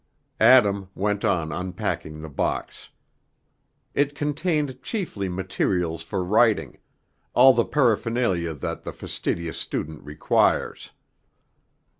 Adam went on unpacking the box. It contained chiefly materials for writing, all the paraphernalia that the fastidious student requires.